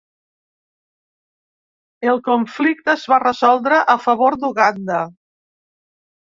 El conflicte es va resoldre a favor d'Uganda.